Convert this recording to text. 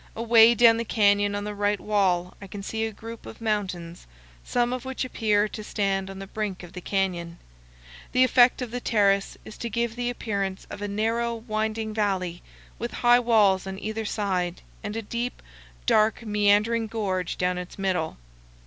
Away down the canyon on the right wall I can see a group of mountains, some of which appear to stand on the brink of the canyon. The effect of the terrace is to give the appearance of a narrow winding valley with high walls on either side and a deep, dark, meandering gorge down its middle.